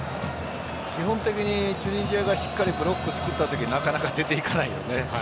基本的にチュニジアがしっかりブロックを作ったときなかなか出ていかないよね。